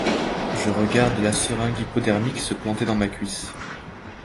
Je regarde la seringue hypodermique se planter dans ma cuisse.